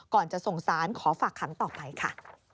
ก่อนจะส่งสารขอฝากขังต่อไปค่ะ